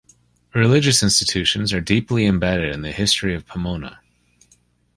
Religious institutions are deeply embedded in the history of Pomona.